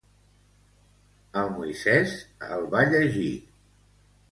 El Moisés el va llegir.